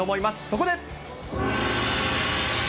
そこで。